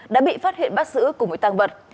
đã bị phát hiện bắt giữ cùng với tăng vật